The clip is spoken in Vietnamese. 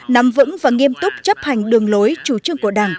nắm vững và nghiêm túc chấp hành đường lối chủ trương của đảng